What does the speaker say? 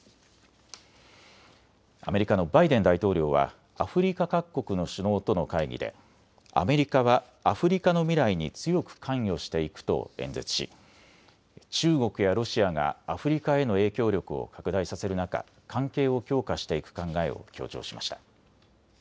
アメリカのバイデン大統領はアフリカ各国の首脳との会議でアメリカはアフリカの未来に強く関与していくと演説し中国やロシアがアフリカへの影響力を拡大させる中、関係を強化していく考えを強調しました。